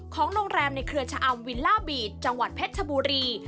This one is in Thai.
ของโรงแรมในเครือชะอำวิลล่าบีดจังหวัดเพชรชบุรี